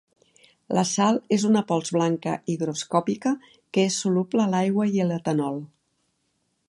La sal és una pols blanca higroscòpica que és soluble a l'aigua i l'etanol.